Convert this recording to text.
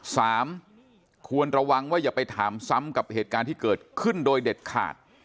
สามควรระวังว่าอย่าไปถามซ้ำกับเหตุการณ์ที่เกิดขึ้นโดยเด็ดขาด